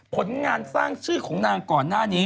ผลงานสร้างชื่อของนางก่อนหน้านี้